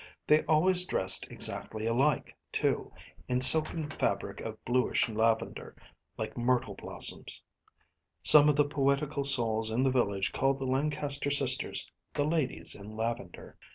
They always dressed exactly alike, too, in silken fabric of bluish lavender, like myrtle blossoms. Some of the poetical souls in the village called the Lancaster sisters “The ladies in lavender.